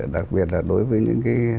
đặc biệt là đối với những cái